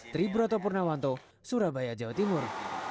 triburoto purnawanto surabaya jawa timur